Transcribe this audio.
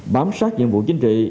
bám sát nhiệm vụ chính trị